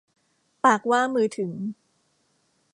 ปากว่ามือถึง